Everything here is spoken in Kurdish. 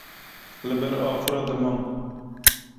li ber afira dimam